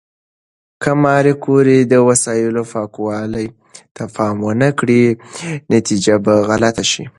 که ماري کوري د وسایلو پاکوالي ته پام ونه کړي، نتیجه به غلطه شي.